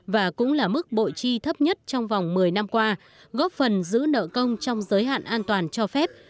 và cũng là mức bội chi thấp nhất trong vòng một mươi năm qua góp phần giữ nợ công trong giới hạn an toàn cho phép